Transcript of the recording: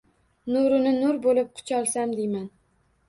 Nurini nur bo’lib qucholsam, deyman.